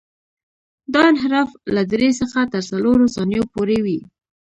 دا انحراف له درې څخه تر څلورو ثانیو پورې وي